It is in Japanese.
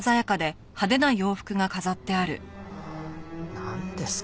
なんですか？